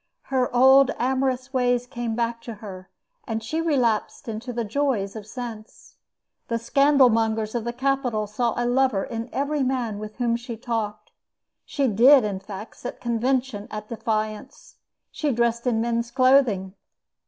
Her old amorous ways came back to her, and she relapsed into the joys of sense. The scandal mongers of the capital saw a lover in every man with whom she talked. She did, in fact, set convention at defiance. She dressed in men's clothing.